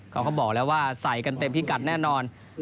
เขาบอกแล้วว่าใส่กันเต็มพิกัดแน่นอน